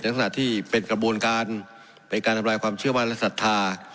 ลักษณะที่เป็นกระบวนการเป็นการทำลายความเชื่อมั่นและศรัทธา